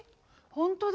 本当だ！